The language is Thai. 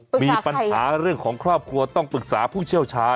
มีปัญหาเรื่องของครอบครัวต้องปรึกษาผู้เชี่ยวชาญ